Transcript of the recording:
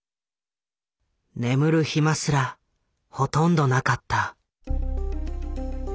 眠る暇すらほとんどなかった。